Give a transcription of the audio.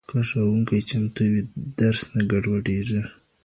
که ښوونکی چمتو وي، درس نه ګډوډېږي.